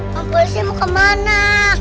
komporisi mau kemana